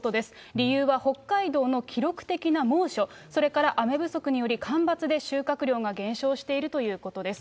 理由は北海道の記録的な猛暑、それから雨不足により干ばつで収穫量が減少しているということです。